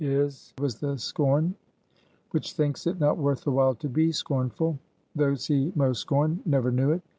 His was the scorn which thinks it not worth the while to be scornful. Those he most scorned, never knew it.